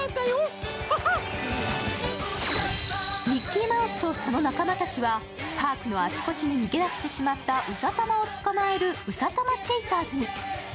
ミッキーマウスとその仲間たちはパークのあちこちに逃げ出してしまったうさたまを捕まえるうさたまチェイサーズに。